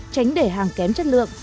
tránh để hàng kém chất lượng